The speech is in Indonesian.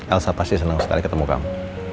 elsa pasti senang sekali ketemu kamu